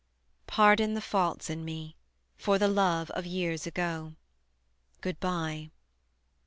Pardon the faults in me, For the love of years ago: Good by.